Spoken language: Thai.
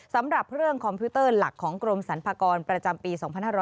สำหรับเรื่องคอมพิวเตอร์หลักของกรมสรรพากรประจำปี๒๕๖๐